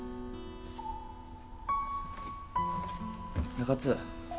中津